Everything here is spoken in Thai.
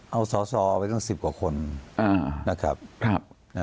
เอาสอสอไปตั้ง๑๐กว่าคนนะครับ